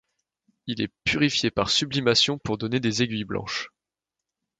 Il est purifié par sublimation pour donner des aiguilles blanches.